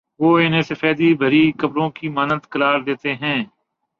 وہ انہیں سفیدی پھری قبروں کی مانند قرار دیتے ہیں۔